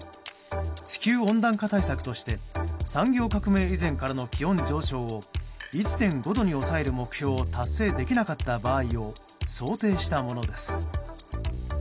地球温暖化対策として産業革命以前からの気温上昇を１．５度に抑える目標を達成できなかった場合を想定したものです。